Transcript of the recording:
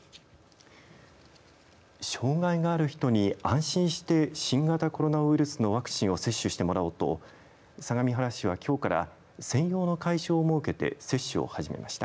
障害がある人に、安心して新型コロナウイルスのワクチンを接種してもらおうと相模原市は、今日から専用の会場を設けて接種を始めました。